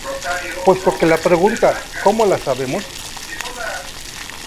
Puesto que la pregunta "¿Cómo lo sabemos?